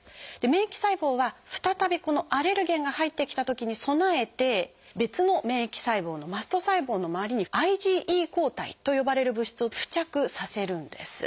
免疫細胞は再びこのアレルゲンが入ってきたときに備えて別の免疫細胞の「マスト細胞」の周りに「ＩｇＥ抗体」と呼ばれる物質を付着させるんです。